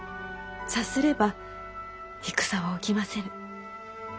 さすれば戦は起きませぬ。